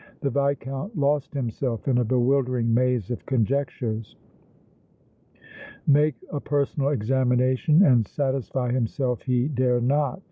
The Viscount lost himself in a bewildering maze of conjectures. Make a personal examination and satisfy himself he dare not.